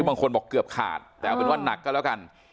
บางคนบอกเกือบขาดแต่เอาเป็นว่านักก็แล้วกัน